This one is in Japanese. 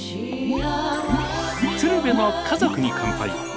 「鶴瓶の家族に乾杯」。